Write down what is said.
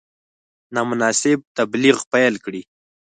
نامناسب تبلیغ پیل کړي.